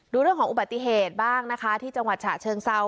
ดูเรื่องของอุบัติเหตุบ้างนะคะที่จังหวัดฉะเชิงเซา